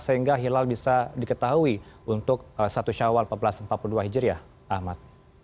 sehingga hilal bisa diketahui untuk satu syawal seribu empat ratus empat puluh dua hijriah ahmad